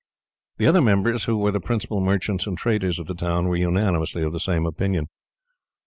The other members, who were the principal merchants and traders of the town, were unanimously of the same opinion.